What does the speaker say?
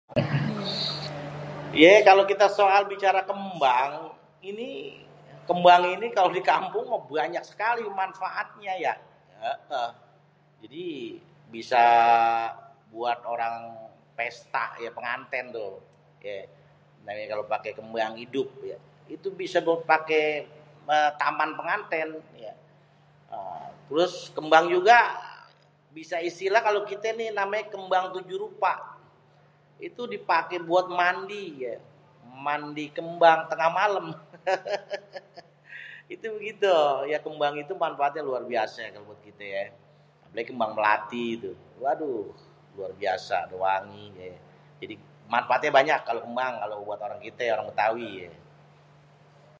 Yéé kalau kita soal bicara kémbang, ini, kémbang ini kalau dikampung mah buanyak sekali manfaatnya ya, hêêh. jadi bisa, buat orang pesta ya pengantén tuh yéé apalagi paké kémbang idup ya itu bisa paké taman pengantén ya. Terus kémbang juga bisa istilah kalau kité ni namanyé kémbang 7 rupa, itu dipaké buat mandi, yéé mandi kémbang téngah malêm hêhêhêh. Itu bégitu kémbang itu manfaatnya luar biasé kalau buat kité yé. Apalagi kémbang mélati tuh waduhhh, luar biasa mana wangi jadi manfaatnya banyak kalau kémbang kalau buat orang kité orang bêtawi yéé.